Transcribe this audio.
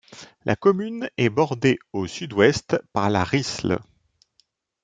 La commune est bordée au sud-ouest par la Risle.